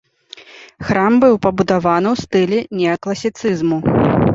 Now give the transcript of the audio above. Храм быў пабудаваны ў стылі неакласіцызму.